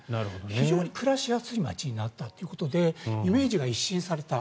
非常に暮らしやすい街になったということでイメージが一新された。